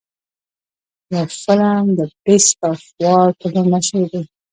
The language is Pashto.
يو فلم The Beast of War په نوم مشهور دے.